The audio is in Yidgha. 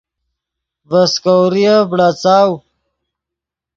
ڤے سیکوریف بڑاڅاؤ